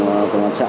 của công an xã